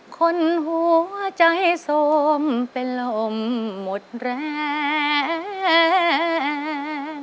คนหัวใจโสมเป็นลมหมดแรง